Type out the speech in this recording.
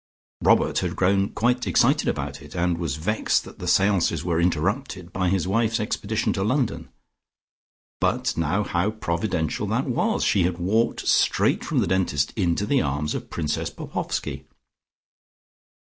Robert had grown quite excited about it, and was vexed that the seances were interrupted by his wife's expedition to London. But now how providential that was. She had walked straight from the dentist into the arms of Princess Popoffski.